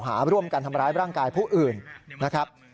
หาร่วมกันทำร้ายร่างกายผู้อื่นนะครับ